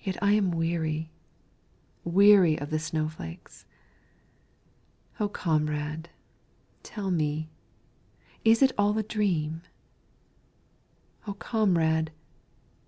Yet I am weary weary of the snow flakes O Comrade! tell me, is it all a dream; O Comrade!